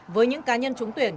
với những cá nhân trúng tuyển